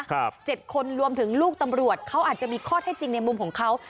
เจ็ดคนรวมถึงลูกตำรวจเขาอาจจะมีข้อเท็จจริงในมุมของเขา